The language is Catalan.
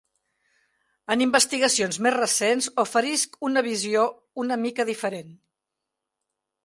En investigacions més recents oferisc una visió una mica diferent.